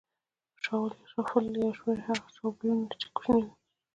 شاول یا شافول او یو شمېر هغه شابلونونه چې کوچني وي.